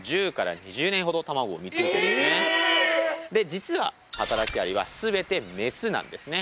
実ははたらきアリは全てメスなんですね。